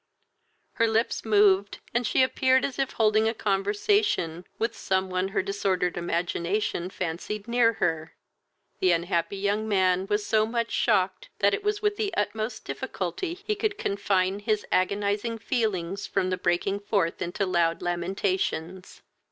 Her lips moved, and she appeared as if holding a conversation with some one her disordered imagination fancied near her. The unhappy young man was so much shocked, that it was with the utmost difficulty he could confine his agonizing feelings from breaking forth into loud lamentations.